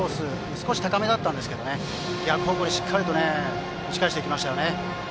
少し高めだったんですが逆方向にしっかり打ち返していきましたね。